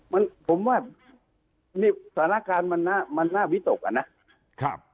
มันผมว่านี่สถานการณ์มันน่าวิตกอ่ะนะครับ